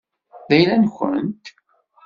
D ayla-nkent.